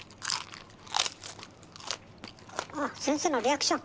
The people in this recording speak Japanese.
あっ先生のリアクション！